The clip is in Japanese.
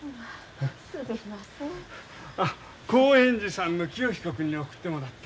興園寺さんの清彦君に送ってもらった。